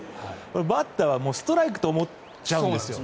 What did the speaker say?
バッターはストライクと思っちゃうんですよ。